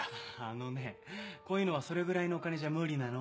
あのねこういうのはそれぐらいのお金じゃ無理なの。